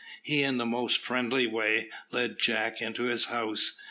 He, in the most friendly way, led Jack into his house.